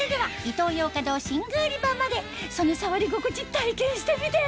お店ではその触り心地体験してみて！